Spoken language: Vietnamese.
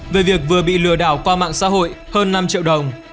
về việc vừa bị lừa đảo qua mạng xã hội hơn năm triệu đồng